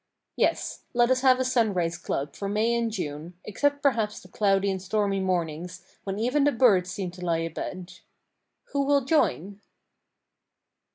Yes, let us have a sunrise club for May and June, except perhaps the cloudy and stormy mornings when even the birds seem to lie abed. Who will join?